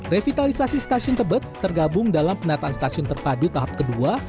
revitalisasi stasiun tebet tergabung dalam penataan stasiun terpadu tahap kedua